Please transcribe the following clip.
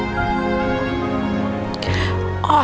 aku sudah lulus s dua